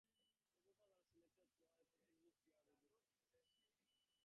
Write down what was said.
Proposals are selected through a competitive peer review process.